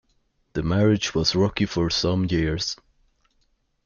The marriage was rocky for some years.